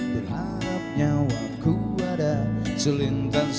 berharap nyawa ku ada selintar